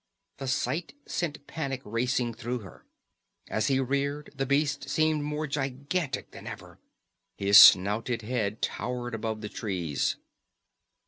The sight sent panic racing through her. As he reared, the beast seemed more gigantic than ever; his snouted head towered among the trees.